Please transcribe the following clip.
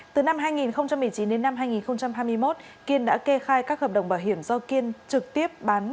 từ năm hai nghìn một mươi chín đến năm hai nghìn hai mươi một kiên đã kê khai các hợp đồng bảo hiểm do kiên trực tiếp bán